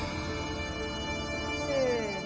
せの。